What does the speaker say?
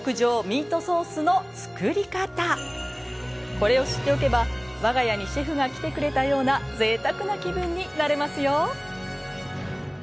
これを知っておけばわが家にシェフが来てくれたようなぜいたくな気分になれますよ。